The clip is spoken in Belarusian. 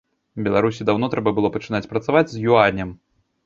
Беларусі даўно трэба было пачынаць працаваць з юанем.